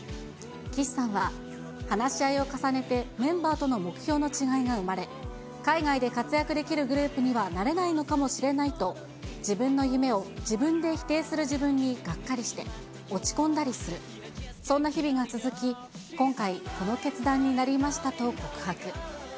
岸さんは、話し合いを重ねてメンバーとの目標の違いが生まれ、海外で活躍できるグループにはなれないのかもしれないと、自分の夢を自分で否定する自分にがっかりして落ち込んだりする、そんな日々が続き、今回、この決断になりましたと告白。